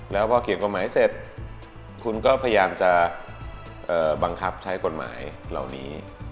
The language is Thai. แล้วพอเขียนกฎหมายเสร็จคุณก็พยายามจะบังคับใช้กฎหมายเหล่านี้